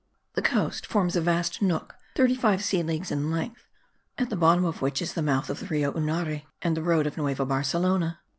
The coast forms a vast nook, thirty five sea leagues in length, at the bottom of which is the mouth of the Rio Unare and the road of Nueva Barcelona.